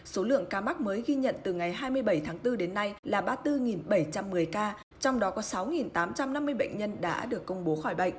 số lượng ca mắc mới ghi nhận từ ngày hai mươi bảy tháng bốn đến nay là ba mươi bốn bảy trăm một mươi ca trong đó có sáu tám trăm năm mươi bệnh nhân đã được công bố khỏi bệnh